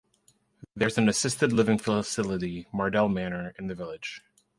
There is an assisted living facility, Mardell Manor, in the village.